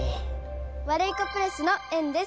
ワルイコプレスのえんです。